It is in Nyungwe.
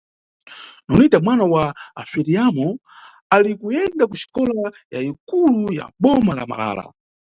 Nonita mwana wa aSviriyamo ali kuyenda kuxikola ya ikulu ya boma la Malala.